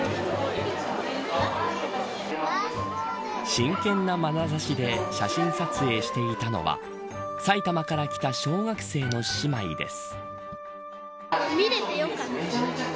真剣なまなざしで写真撮影していたのは埼玉から来た小学生の姉妹です。